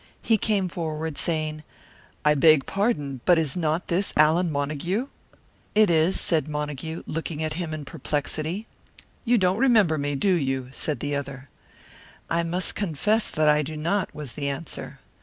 He came forward, saying, "I beg pardon, but is not this Allan Montague?" "It is," said Montague, looking at him in perplexity. "You don't remember me, do you?" said the other. "I must confess that I do not," was the answer.